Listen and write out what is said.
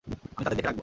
আমি তাদের দেখে রাখব।